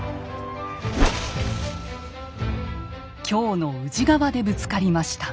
京の宇治川でぶつかりました。